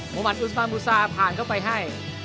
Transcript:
มุมัติอุสมามูซาผ่านเข้าไปให้